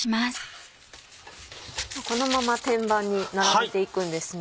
このまま天板に並べていくんですね。